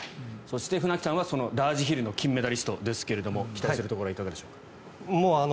そして、船木さんはそのラージヒルの金メダリストですが期待するところはいかがでしょうか？